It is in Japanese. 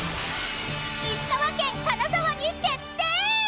［石川県金沢に決定！］